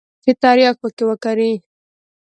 چې ترياک پکښې وکري.